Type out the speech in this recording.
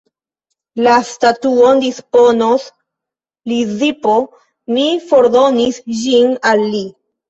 La statuon disponos Lizipo, mi fordonis ĝin al li.